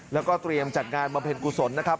แล้วก็เตรียมจัดงานบำเพ็ญกุศลนะครับ